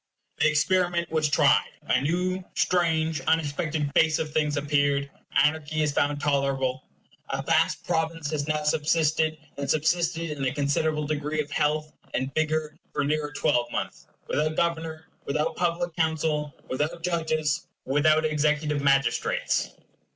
The experiment was tried. A new, strange, unexpected face of things appeared. Anarchy is found tolerable. A vast province has now subsisted, and subsisted in a considerable degree of health and vigor for near a twelvemonth, without Governor, without public Council, without judges, without executive magistrates.